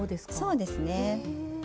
そうですね。